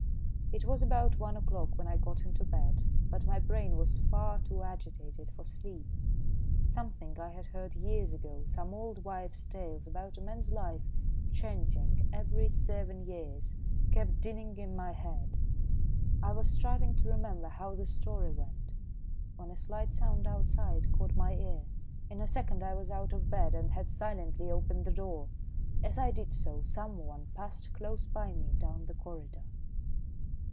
It was about one o'clock when I got into bed, but my brain was far too agitated for sleep. Something I had heard years ago, some old wives' tales about a man's life changing every seven years, kept dinning in my head. I was striving to remember how the story went, when a slight sound outside caught my ear. In a second I was out of bed and had silently opened the door. As I did so, someone passed close by me down the corridor.